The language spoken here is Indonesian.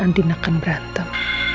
mereka di nakal berantem